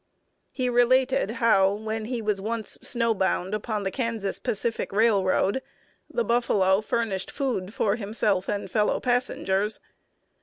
He related how, when he was once snow bound upon the Kansas Pacific Railroad, the buffalo furnished food for himself and fellow passengers.